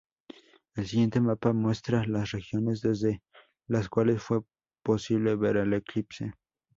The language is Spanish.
El siguiente mapa muestra las regiones desde las cuales fue posible ver el eclipse.